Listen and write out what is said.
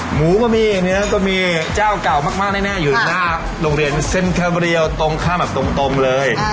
หมูก็มีเงินก็มีเจ้าเก่ามากแน่อยู่หน้าโรงเรียนเซนคาเวรียลตรงข้างตรงเลย